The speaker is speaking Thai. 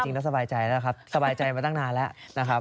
สบายใจแล้วครับสบายใจมาตั้งนานแล้วนะครับ